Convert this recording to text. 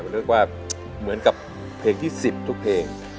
เรียกว่าเหมือนกับเพลงที่๑๐ทุกเพลง